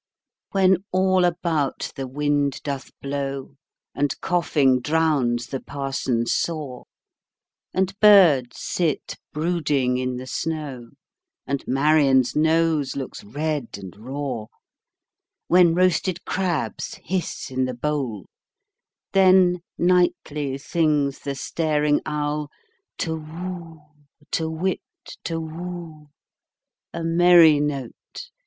When all about the wind doth blow, And coughing drowns the parson's saw, And birds sit brooding in the snow, And Marian's nose looks red and raw; When roasted crabs hiss in the bowl—Then nightly sings the staring owlTu whoo! To whit, Tu whoo! A merry note!